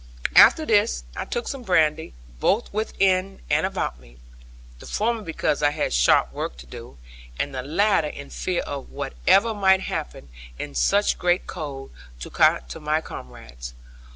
After this I took some brandy, both within and about me; the former, because I had sharp work to do; and the latter in fear of whatever might happen, in such great cold, to my comrades.